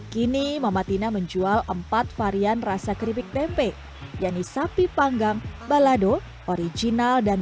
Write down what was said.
kini mama tina menjual empat varian rasa keripik tempe yang di sapi panggang balado original dan